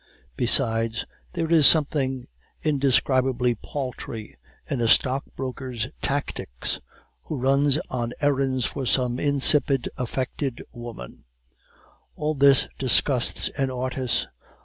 Besides, there is something indescribably paltry in a stockbroker's tactics, who runs on errands for some insipid affected woman; all this disgusts an artist.